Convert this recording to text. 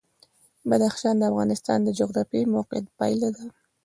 بدخشان د افغانستان د جغرافیایي موقیعت پایله ده.